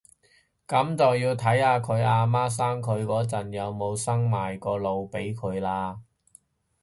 噉就要睇下佢阿媽生佢嗰陣有冇生埋個腦俾佢喇